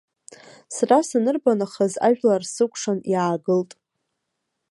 Сара санырба нахыс ажәлар сыкәшан иаагылт.